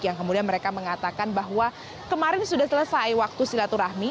yang kemudian mereka mengatakan bahwa kemarin sudah selesai waktu silaturahmi